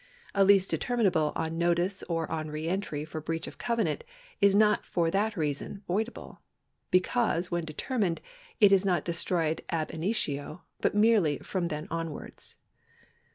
A lease determinable on notice or on re entry for breach of covenant is not for that reason voidable ; because, when determined, it is not destroyed a6 initio, but merely from then onwards.